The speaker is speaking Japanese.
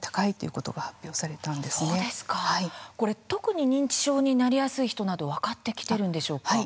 これ特に認知症になりやすい人など分かってきてるんでしょうか？